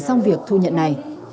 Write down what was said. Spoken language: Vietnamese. xong việc thu nhận này